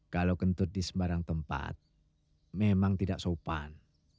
kalau kentut di sembarang tempat memang tidak sopan